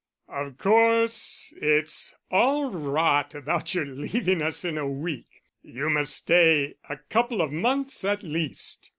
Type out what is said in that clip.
"Of course it's all rot about your leaving us in a week; you must stay a couple of months at least."